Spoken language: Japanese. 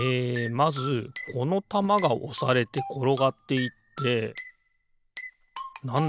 まずこのたまがおされてころがっていってなんだ？